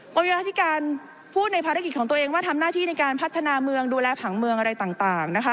บรรยาธิการพูดในภารกิจของตัวเองว่าทำหน้าที่ในการพัฒนาเมืองดูแลผังเมืองอะไรต่างนะคะ